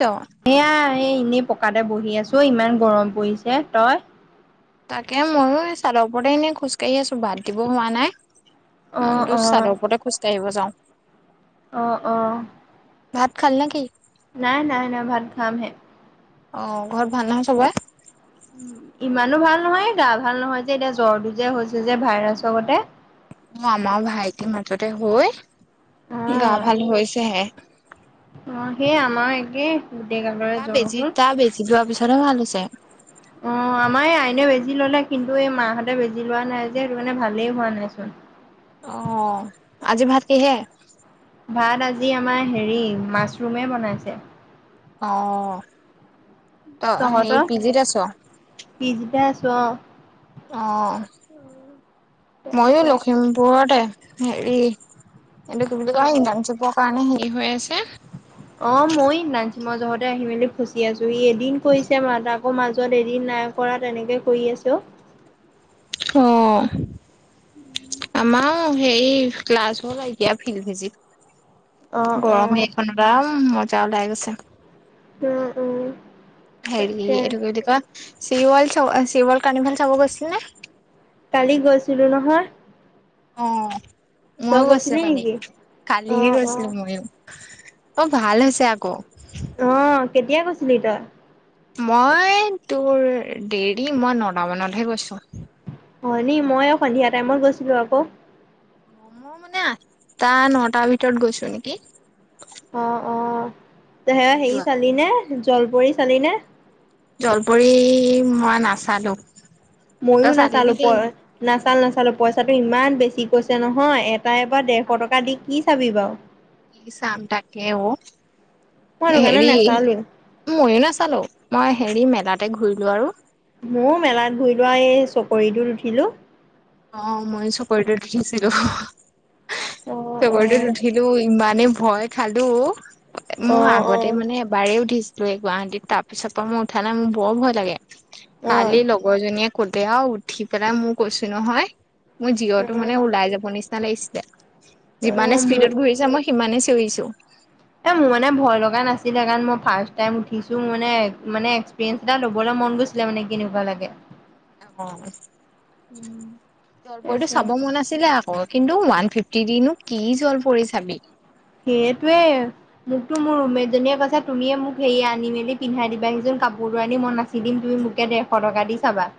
ত এয়া এই এনেই পকাতে বহি আছো ইমান গৰম পৰিছে তই? তাকে ময়ো এই চাদৰ ওপৰ এনে খোজ ককাঢ়ি আছো ভাত দিব হোৱা নাই। অ তোৰ অ চাদৰ ওপৰতে খোজকাঢ়িব যাও। অহ অহ। ভাত খাল নেকি? নাই নাই নাই ভাত খাম হে। অ ঘৰত ভালনে চবৰে? ইমানো ভাল নহয় গা ভাল নহয় যে এতিয়া জ্বৰটো যে হৈছে যে ভাইৰাছতে। অ আমাৰ ভাইটিৰ মাজতে অ হৈ গা ভাল হৈছেহে অ সেই আমাৰ একে গোটেই গালৰে তাৰ জ্বৰ বেজি হ'ল তা বেজি দোৱাৰ পিছতহে ভাল হৈছে অ আমাৰ আইনে বেজি ললে কিন্তু এই মাহতে বেজি লোৱা নাই যে সেইটো কাৰণে ভালেই হোৱা নাই চোন অ আজি ভাতকিহে ভাত আজি আমাৰ হেৰি মাছৰুমে বনাইছে অ ত সেই তহঁতৰ পিজিত আছ পিজিতে আছো অ অ ময়ো তাকে লখিমপুৰতে হেৰি এ তু বুলি অ কয় ইধান চপৰ কাৰণে হেৰি হৈ আছে অ ময় নাঞ্চিমৰ জহত আহি মেলি ফচি আছো ই এদিন কৰিছে ম তাকো মাজত এদিন নাই কৰা তেনেকে কৰি আছো অ আমাৰ হেৰি ক্লাছ হ এতিয়া ফিল ভিজ অ', অ গৰমেইখন আম মজা ওলাই গৈছে উম, উম, হেৰি তাকে এইটো কি বুলি কয় চি ৱল চ চিৱল কানি ভ চাব গৈছিল নে কালি গৈছিলো নহয় অ তই ময়ো গৈছিলো গৈছিলি কালি নেকি? কালিহে অ', গৈছিলো অ', ময়ো অ ভাল হৈছে আকৌ অ', কেতিয়া গৈছিলি তই মই তোৰ দেৰি মই নতামানতহে গৈছো হয় নি মই সন্ধিয়া টাইমত গৈছিলো আকৌ অ মই মানে আঠটা নটাৰ ভিতৰত গৈছো নেকি অ অ সেই হেৰি হে যোৱা চালি নে জলপৰি চালিনে জলপৰি মই নাচালো ময়ো তই চালি নাচালো প নেকি? নাচাল নাচালো পইচাটো ইমান বেছি কৈছে নহয় তাই পৰা ডেৰশ টকা দি কি চাবি বাৰু কি চাম তাকে অ মই সেইটো কাৰণে হেৰি নাচালোৱে। ময়ো নাচালো মই হেৰি মেলাতে ঘূৰিলো আৰু ময় মেলাত ঘূৰি লোৱা এই চকৰিটোত উঠিলো অ মই চকৰিটোত উঠিছিলো অ অ চকৰিটোত উঠিলো ইমান মানে ভয় খালো অ মই অ আগতে মানে এবাৰেই উঠিছো গুৱাহাটীত তাৰ পিছৰ পৰা মোৰ উঠা নাই মোৰ বৰ ভয় লাগে কালি লগৰজনীয়ে কতেয়াও উঠি পেলাই মোৰ কৈছো নহয় মোৰ জিৰতো মানে ওলাই যাব নিচিনা লাগিছিলে যিমানে মোৰ স্পিডত ঘূৰিছা মই সিমানে চিঞৰিছো এ মোৰ মানে ভয় লগা নাছিলে কাৰণে ফাৰ্ষ্ট টাইম উঠিছোঁ মোৰ মানে মানে মন গৈছিলে মানে কিনেকোৱা লাগে অ জলপতটো তাকে চাব মন আছিলে আকৌ কিন্তু ওৱান ফিফটি দিনো কি জল পৰি চাবি সেইটোৱে মোকতো মোৰ ৰুমমেট জনীয়ে কৈছা তুমিয়ে মোক হেৰি আনি মেলি পিন্ধাই দিবা সিচোন কাপোৰটোৰ আনি মই নাচি দিম তুমি মোকে ডেৰশ টকা দি চাবা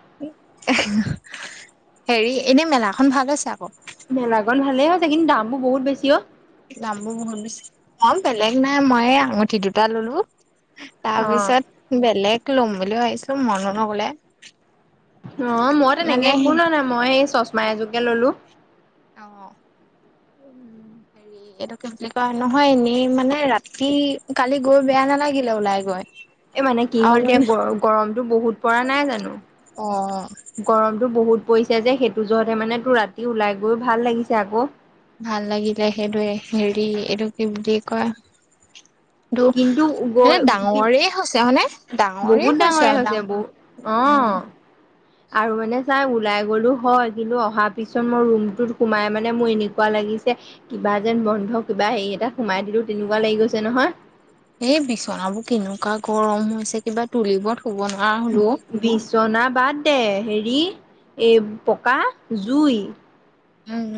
হেৰি এনে মেলাখন ভাল আছে আকৌ মেলা গল ভালে হৈছে কিন্তু দাম বো বহুত বেছি অ দাম বোৰ বহুত বেছি অ বেলেগ নাই মই আঙুঠি দুটা ললো অ তাৰপিছত বেলেগ লম বুলিও ভাবিছো মন ন গলে অ মই তেনেকে একো নোৱা নাই মই সেই চশমা এযোকে ললো আহ হেৰি এইটো কি বুলি কয় নহয় এনেই মানে ৰাতি কালি গৈ বেয়া নালাগিলে ওলাই গৈ এ মানে কি আৰু হ'ল এতিয়া মানে গ গৰমতটো বহুত পৰা নাই জানো অ গৰমতটো বহুত পৰিছে যে সেইটো জোৰতে মানে তোৰ ৰাতি ওলাই গৈ ভাল লাগিছে আকৌ। ভাল লাগিলে সেইটোৱে হেৰি এইটো কি বুলি কয় টো কিন্তু গৈ ডাঙৰেই হৈছে হয়নে? ডাঙৰে হৈছে আৰু ডাঙ উম। অ'। আৰু মানে চাই ওলাই গ'লো হয় কিন্তু অহাৰ পিছত মোৰ ৰুমটোত সোমাই মানে মোৰ এনেকুৱা লাগে লিচে কিবা যেন বন্ধ কিবা হেৰি এটা সোমাই দিলো তেনেকুৱা লাগি গৈছে নহয়। এই বিচনাবোৰ কেনেকুৱা গৰম হৈছে কিবা তুলিবোৰত বিচনা বাদ দে হেৰি এই পকা জুই উম।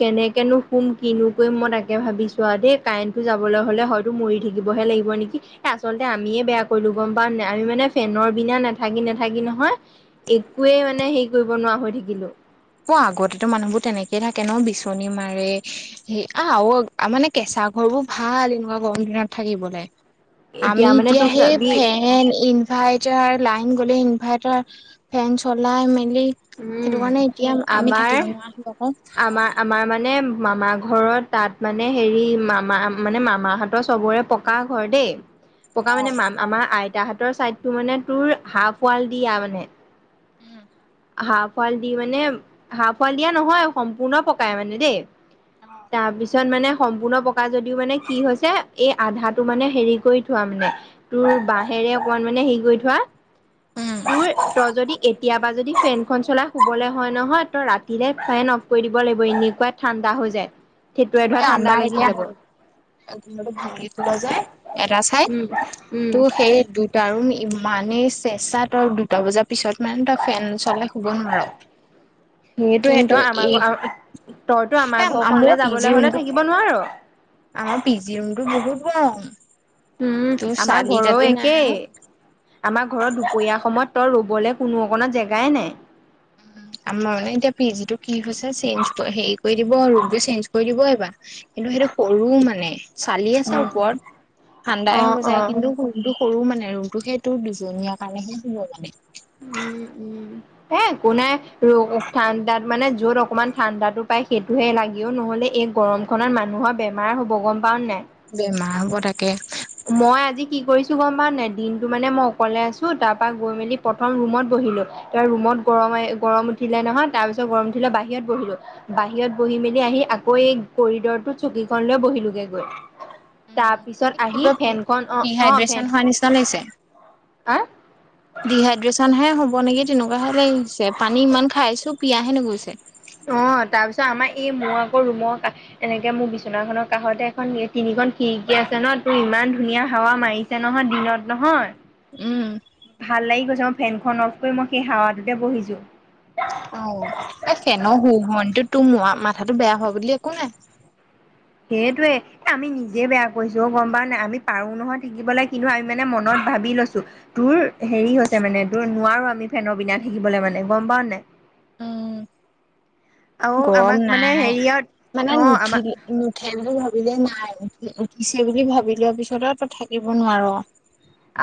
কেনেকেনো শুম কিনো কৰিম মই তাকে ভাবিছোঁ আৰু দেই কাৰেণ্টটো যাবলে হলে হয়তো মৰি থাকিবহে লাগিব নেকি আচলতে আমিয়ে বেয়া কৰিলোঁ গম পাওঁ নে নাই আমি মানে ফেনৰ বিনা নেথাকি নেথাকি নহয় একোৱেই মানে হেৰি কৰিব নোৱাৰা হৈ থাকিলোঁ। অ আগতেতো মানুহবোৰ তেনেকেই থাকে ন বিচনী মাৰে সেই আ আগৰ মানে কেঁচা পাকঘৰ বোৰ ভাল এনেকুৱা গৰম দিনত থাকিবলে। আমি মানে এতিয়া তোক সেই চাবি ফেন ইনভাইৰ্টাৰ লাইন গলে ইনভাৰ্টাৰ ফেন চলাই মেলি সেইটো উম, কাৰণে এতিয়া আমি আমাৰ থাকিব নোৱাৰা হলো আকৌ - আমাৰ - আমাৰ মানে মামা ঘৰত তাত মানে হেৰি মামা মানে মামাহঁতৰ চবৰে পকা ঘৰ দেই ককা মানে মা আমাৰ আইতা হঁতৰ চাইদটো মানে তোৰ হাফ ৱাল দিয়া মানে। উম। হাঁফ ৱাল দি মানে, হাঁফ ফাল দিয়া নহয় সম্পূৰ্ণ পকাই মানে দেই। তাৰপিছত মানে সম্পূৰ্ণ পকা যদিও মানে কি হৈছে এই আধাটো মানে হেৰি কৰি থোৱা মানে তোৰ বাঁহে হেৰে অকমান মানে হেৰি কৰি থোৱা, উম তোৰ তই যি এতিয়াৰ পৰা যদি ফেন শুবলৈ হয় নহয় ত ৰাতিলে ফেন অফ কৰি দিব লাগিব এনেকুৱা ঠাণ্ডা হৈ যায়। থিতুৱাই ধৰা এই ঠাণ্ডা আমাৰ লাগি যাব এতিয়া [unintelligible] ভাঙি পেলোৱা যায় এটা চাইদ উম উম ত' সেই দুটা আৰু [unintelligible] ইমানেই চেঁচা তই দুটা বজাৰ পিছত মানে তই ফেন চলাই শুব নোৱাৰ। সেইটোহ কিন্তু তই আমাৰ এই ঘ তইতো এ আমাৰ মোৰ ঘৰখনলে পি যাব জি লে হলে ৰুমটো থাকিব নোৱাৰো। তোৰ বহুত গৰম। উম তোৰ আমাৰ চালি ঘৰৰ তালি নাই একেই, আৰু আমাৰ ঘৰত দুপৰীয়া সময়ত তই ৰবি গ'লে কোনো অকণা জেগাই নাই। [inaudible] [unintelligible] আমাৰ মানে এতিয়া পি জিটো কি হৈছে চেঞ্জ কৰি হেৰি কৰি দিব ৰুমটো চেঞ্জ কৰি দিব এইবাৰ কিন্তু সৰু মানে চালি আছে ওপৰত ঠাণ্ডাই অ', হ'ব যায় অ', কিন্তু সৰু মানে ৰুমটো সেইটো দুজনীয়া কাৰণেহে হব মানে। উম, উম হে একো নাই ৰু ঠাণ্ডাত মানে যত অকমান ঠাণ্ডাতো পাই সেইটোহে লাগিও নহলে এই গৰম খনত মানুহৰ বেমাৰ হ'ব গম পাও নাই? বেমাৰ হ'ব তাকে। মই আজি কি কৰিছো গম পাও নাই? দিনটো মানে মই অকলে আছো তাৰ পা গৈ মেলি প্ৰথম ৰুমত ব বহিলো তে ৰুমত গৰম এ - গৰম উঠিলে নহয় তাৰ পিছত গৰম উঠিলে বাহিৰত বহিলো বাহিৰত বহি মেলি আহি আকৌ এই কৰিডৰটোত চকীখন লৈ বহিলোগে গৈ। তাৰ উম পিছত কিবা ডিহাইড্ৰেচন হোৱা নিচিনা লাগিছে। আ ডিহাইড্ৰেছন হে হ'ব নেকি তেনেকুৱা হে লাগিছে পানী ইমান খাইছো পিয়াহে নুগুছে। অ তাৰ পিছত আমাৰ এই মোৰ আকৌ ৰুমৰ কাষ এনেকে মোক বিচনাখনৰ কাষতে এখন এ তিনি‌ এখন খিৰিকী আছে ন তোৰ ইমান ধুনীয়া হাৱা মাৰিছে নহয় দিনত নহয় উম ভাল লাগি গৈছে মই ফেনখন অফ কৰি মই সেই হোৱাটোতে বহিছো। অ এই ফেন সো ভনিতটো তোৰ ম মাথাটো বেয়া হ বুলি একো নাই সেইটোৱে। আমি নিজে বেয়া কৰিছো গম পা নাই। আমি পাৰো নহয় থাকিবলৈ কিন্তু আমি মানে মনত ভাল ভাবি লৈছো তোৰ হেৰি হৈছে মানে তোৰ নোৱাৰো আমি ফেনৰ বিনা থাকিবলৈ মানে গম পাও নাই। অ আৰু আমাক গৰম মানে নাই হেৰিয়ত মানে অ', আমাক নুঠিল নুঠ ভাবিলে নাই উঠি উঠিছে বুলি ভাবি লোৱা পিছত ত থাকিব নোৱাৰ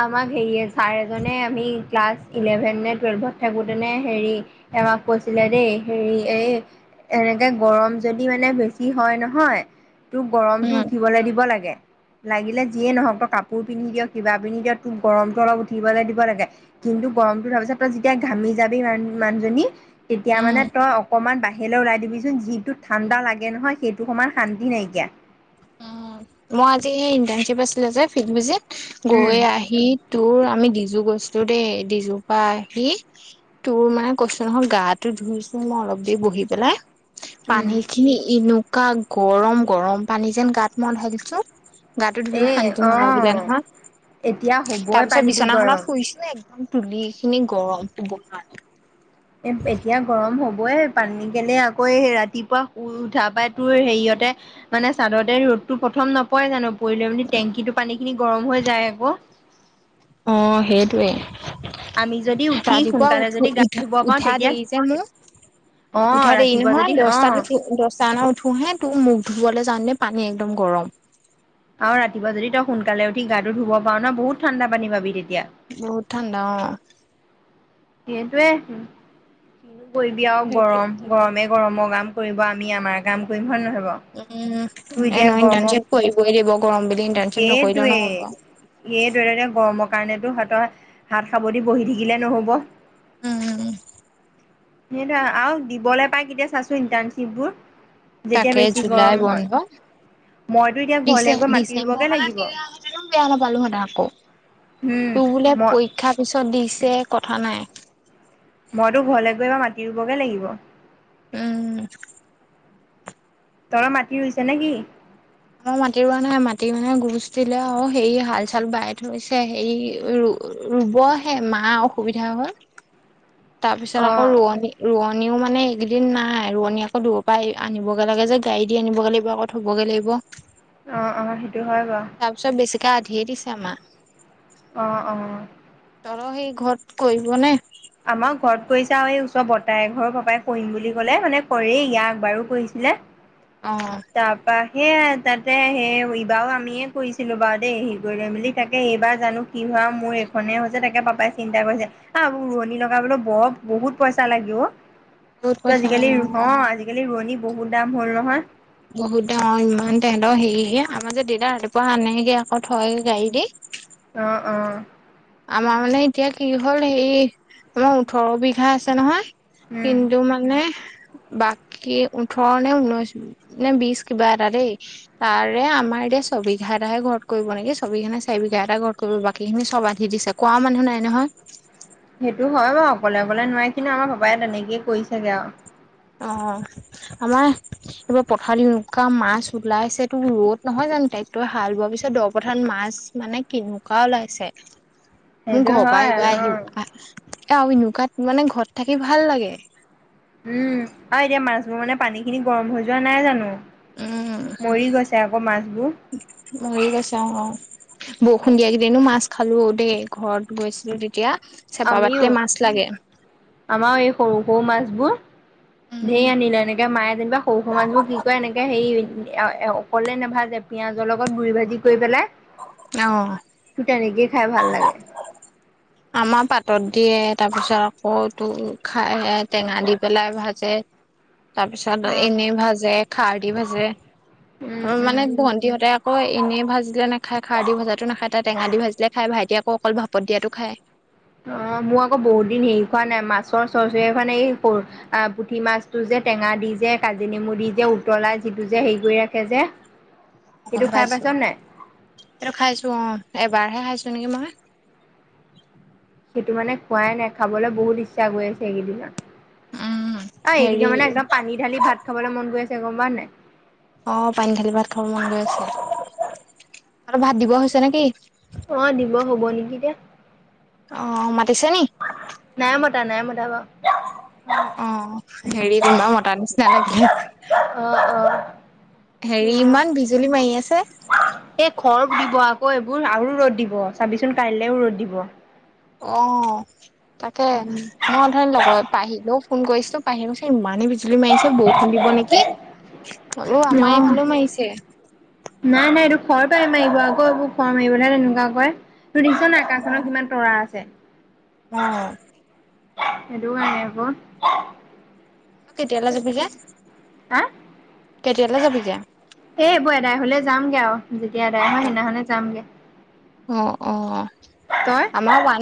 আমাক হেৰিয়ে চাৰ এজনে আমি ক্লাছ ইলেভেন নে টুৱেলভত থাকোঁতেনে হেৰি আমাক কৈছিলে দেই হেৰি এই এনেকে গৰম যদি মানে বেছি হয় নহয়। তোক গৰমতটো উম উঠিবলৈ দিব লাগে লাগিলে যিয়ে নহওক তই কাপোৰ পিন্ধি দিয়ক কিবা তোক গৰমতটো অলপ উঠিবলৈ দিব লাগে। কিন্তু গৰমতটো ধৰা পিছত তই যেতিয়া ঘামি যাবি মানহ তেতিয়া মানে তই অকমান ব আহে ওলাই দিবিচোন যিটো ঠাণ্ডা লাগে নহয়। সেইটো সমান শান্তি নাইকিয়া অ মই আজি ইণ্টাৰ্শ্বিপ আছিলো যে ফিল বজিত উম গৈ আহি তোৰ আমি ডিজু গৈছো। দেই ডিজুপা আহি তোৰ মানে কৈছো নহয় গাটো ধুইছো মই অলপ দে বহি পেলাই উম পানী খিনি এনেকুৱা গৰম গৰম পানী যেন গাত মন ধালিছো। গাটো এ ধুইো শান্তি নালাগিলে অ এতিয়া নহয় হ'বই তাৰ পিছত পানীটো গৰম। বিছনাখনত শুইছো। একদম তুলি খিনি গৰম শুবই নোৱাৰো। এ এতিয়া গৰম হবই পানী কেলে। আকৌ ৰাতিপুৱা শুই উঠা পাই তোৰ হেৰিয়ত তে মানে চাদতে ৰ'দতটো প্ৰথম নপৰে জানো? কৰি লৈ মানি টেংকিো পানী খিনি গৰম হৈ যায় আক। অ সেইটোৱে আমি যদি উঠি ৰাতিপুৱা সোনকালে উঠ যদি গা উঠা ধুব পাৰো উঠা তেতিয়া দেৰি যে মোৰ। অ' উঠা দে ৰাতিপুৱা যদি নহয়। অ' দহটাত উঠো হে তোক মুখ ধুবললৈ যাওঁ পানী একদম গৰম। আৰু ৰাতিপুৱা যদি তই সোনকালে উঠি গাটো ধুব পাও ন বহুত ঠাণ্ডা পানী পাবি তেতিয়া। বহুত ঠাণ্ডা অ সেইটোয়ে। কিনো কৰিবি আৰু সেইটোৱে গৰম গৰমে গৰমৰ কাম কৰিব আমি আমাৰ কাম কৰিম হয় নহয়? বাৰু? উম তোৰ এ এতিয়া নহয় গৰমৰ ইণ্টাৰ্ণশ্বিপ কৰিবই লাগিব। গৰম বুলি ইণ্টাৰ্ণশিপ নকৰিলেও সেইটোৱে নহব। সেইটোৱে এতিয়া গৰমৰ কাৰণেতো হয় তই হাত সাৱটি বহি থাকিলে নহ'ব। উম সেইটো আৰু দিবলৈ পাই কেতিয়া চাইছো ইণ্টাৰণশ্বিপ বোৰ। তাকে জুলাই বন্ধ মইতো এতিয়া দিছে ঘৰলে গৈ মাটি দিছে। ৰুবগে মানে লাগিব বেয়া নাপালো সেতেন আকৌ উম তোৰ বোলে মই পৰীক্ষা পিছত দিছে কথা নাই মইতো ঘৰলৈ গৈ বা মাতি ৰুবগে লাগিব। উম তৰ মাটি ৰুইছে নে কি? আমাৰ মাটি ৰোৱা নাই মাটি মানে গুচ দিলে আৰু সে হাল চাল বাই থৈছে হে। ৰুবহে মা অসুবিধা হ'ল। তাৰ পিছত অ আকৌ ৰোৱনী ৰোৱনী আনিও মানে এইকেইদিন নাই। ৰোৱনী আকৌ দূৰ পৰা আনিবগে লাগে যে গাড়ী দি আনিবগৈ লাগিব আকৌ থ'বগৈ লাগিব। আহ অ সেইটো হয় বাৰ গা ধে দিছে আমা অ অ তহঁতৰ সেই ঘৰত কৰিবনে? আমাৰ ঘৰত কৰিছে আৰু এই ওচৰ বৰটা ঘৰৰ পাপাই কৰিম বুলি কলে মানে কৰে ইয়াক বাৰো কৰিছো। অ তাৰ পৰা সেয় তাতে সেই এইবাৰ আমিয়ে কৰিছিলো বাৰু দেই হেৰি কৰি লৈ মেলি তাকে এইবাৰ জানো কি? মোৰ এইখনে হৈছে তাকে পাপাই চিন্তা কৰিছে আহ উৱনি লগাবলৈ বৰ বহুত পইচা লাগেও বহুত ত পইচা আজিকালি লাগে অ আজিকালি ৰোৱনী বহুত দাম হ'ল নহয় বহুত ডাঙৰ ইমান তোঁতৰ হেৰি আমাৰ যে দেতাৰ ৰাতিপুৱা আনেগে আকৌ থয় গাড়ী দি অ অ আমাৰ মানে এতিয়া কি হ'ল হেৰি আমাৰ ওঠৰ বিঘা আছে নহয় উম কিন্তু মানে বাকী ওঠৰ নে ঊনৈশ নে বিশ কিবা এটা দেই তাৰে আমাৰ চবি ঘাই ঘৰ কৰিব নে সবি খানে চাই ঘ ঘৰ কৰিব বাকিখিনি সব দি দিছে কোৱা মানুহ নাই নহয় সেইটো হয় বাৰু অকলে অকলে নোৱাৰাৰে কিন্তু আমাৰ পাপাই তেনেকেইে কৰিছে চাগে আৰু অ আমাৰ এইবাৰ পথাৰী এুৱা মাছ ওলাইছে তটো ৰ'দ নহয় জান তাইকো হাল বোৱাৰ পিছত দপথান মাছ মানে কেনেকুৱা ওলাইছে মোৰ সেইটো ঘৰৰ হয় অ পৰা আহিব আহিব আহ আনো কাত মানে ঘৰত থাকি ভাল লাগে উম আৰু এতিয়া মাছবোৰ মানে পানী খিনি গৰম হৈ যোৱা নাই জানো উম মৰি গৈছে আকৌ মাছবোৰ মৰি গৈছে অ অ বৰষুণ দিয়া কেইদিনো মাছ খালো দেই ঘৰত গৈছিলো তেতিয়া চেপা আমিও পাটিলে মাছ লাগে সৰু সৰু মাছবোৰ ধেৰি উম আনিলে এনেকে মায়ে যেনিবা সৰু সৰু‌ মাছ বোৰ কি কয় এনেকে হেৰি অকলে নাভা যে পিঁয়াজৰ লগত গুৰি ভাজি কৰি পেলাই অ', ফুটানি গে খাই ভাল লাগে আমাৰ পাতত দিয়ে তাৰপিছত অ তো খাইহে টেঙা দি পেলাই ভাজে তাৰপিছত অ', এনে ভাজে খাৰ দি ভাজে উম, উম। মানে ভন্টিহঁতে অই এনেই ভাজিলে নাখায় খাৰ দি ভজাতো নাখায় তাত টেঙা দি ভাজিলে খায় ভাইটি আকৌ অকল ভাপতিয়া খায় অ মোৰ আকৌ বহুত দিন হেৰি খোৱা নাই মাছৰ চবজিৰ এখন নাই এই পুঠি মাছটো যে টেঙা দি যে কাজি নেমু দি যে উতলাই যিটো যে হেৰি কৰি ৰাখে যে অ সেইটো খাই পাইছ খাইছো নাই? ত খাইছো অ এবাৰহে খাইছো তেনকে ম সেইটো মানে খোৱাই নাই খাবলৈ বহুত ইচ্ছা গৈ আছে এইকেইদিনত উম, অ এইকেই ধালি হেৰি মানে একদম পানী ঢালি ভাত খাবলৈ মন গৈ আছে গম পোৱা নাই অ পানী ঢালি ভাত খাব মন গৈ আছে অলপ ভাত দিব হৈছে নেকি? অ দিব হব নেকি দিয় অ ম নাই মতা নাই মতা বা অ অ হেৰি কোনোবা মতাৰ নিচিনা লাগে উম আম হেৰি ইমান বিজুলী মাৰি আছে এই ঘৰত দিব আকৌ এইবোৰ আৰু ৰ'দ দিব চাবিচোন কাইলেও ৰ'দ দিব অ তাকে মইধৰিম লগত পাহিলেও ফোন কৰিছিলো পাহিল গৈছ ইমানেই চল মাৰিছে বৰষুণ দিব নেকি হল আমাৰ এইফালেও মাৰিছে নাই নাই এইটো খৰটো আহ মাৰিব আকৌ এইবোৰ ঘৰ মাৰিবহে তেনেকুৱা কয়। তু দিছ ন আকাশনৰ কিমান তৰাৰ আছে। অ এটো কাৰণে ক কেতিয়ালৈ যাবি তাক যে হা কেতিয়ালৈ এ যাবি যে সেইবোৰ এদাই হলে যামগে আৰু যেতিয়া এদাই হয় সেইদিনাখনে যামগে অ অ তই? আমাৰ